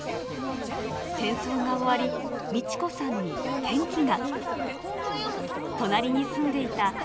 戦争が終わり、道子さんに転機が。